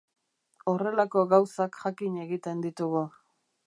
Horrelako gauzak jakin egiten ditugu.